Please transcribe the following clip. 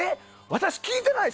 私聞いてない！